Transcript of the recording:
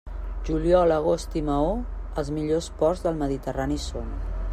Juliol, agost i Maó, els millors ports del Mediterrani són.